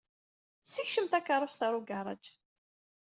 Ssekcem takeṛṛust ɣer ugaṛaj.